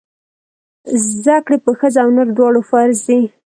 زده کړې په ښځه او نر دواړو فرض دی!